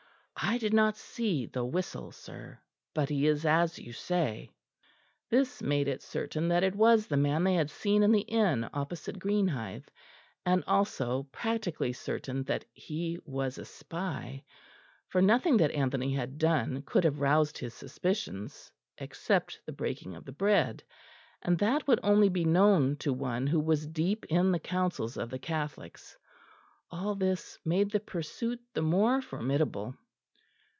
"I did not see the whistle, sir; but he is as you say." This made it certain that it was the man they had seen in the inn opposite Greenhithe; and also practically certain that he was a spy; for nothing that Anthony had done could have roused his suspicions except the breaking of the bread; and that would only be known to one who was deep in the counsels of the Catholics. All this made the pursuit the more formidable.